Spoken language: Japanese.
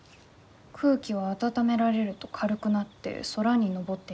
「空気は温められると軽くなって空にのぼっていきます。